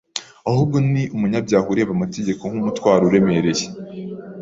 Ahubwo ni umunyabyaha ureba amategeko nk’umutwaro uremereye;